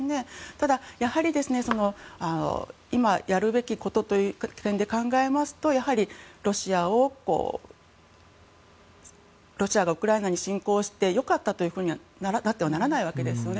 ただやはり今やるべきことという点で考えますとロシアがウクライナに侵攻して良かったというふうにはなってはならないわけですよね。